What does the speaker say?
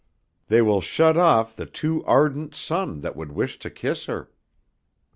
They will shut off the too ardent sun that would wish to kiss her."